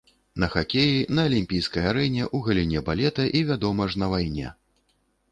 На хакеі, на алімпійскай арэне, у галіне балета і, вядома ж, на вайне.